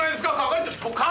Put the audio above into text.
係長！